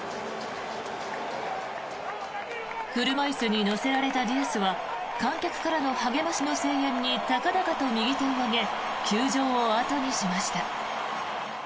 車椅子に乗せられたディアスは観客からの励ましの声援に高々と右手を上げ球場を後にしました。